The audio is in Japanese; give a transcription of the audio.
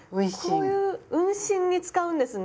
こういう運針に使うんですね。